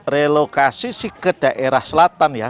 relokasi sih ke daerah selatan ya